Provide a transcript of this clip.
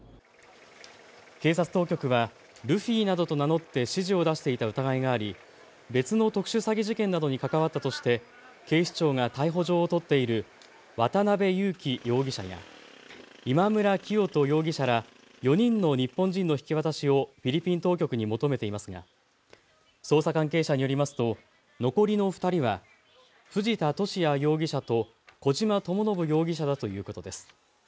警察当局はルフィなどと名乗って指示を出していた疑いがあり別の特殊詐欺事件などに関わったとして警視庁が逮捕状を取っている渡邉優樹容疑者や今村磨人容疑者ら４人の日本人の引き渡しをフィリピン当局に求めていますが、捜査関係者によりますと残りの２人は藤田聖也容疑者と小島智信容疑者だということです。